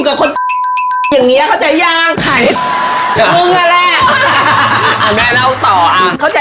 โอ้เปลี่ยนหัวเหมือนกันนะ